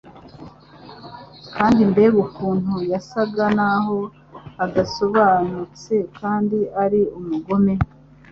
Kandi mbega ukuntu yasaga naho adasobanutse kandi ari umugome